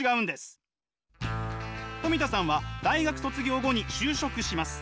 トミタさんは大学卒業後に就職します。